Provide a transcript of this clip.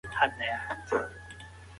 د جرمني مامور هم په ده باور کړی و.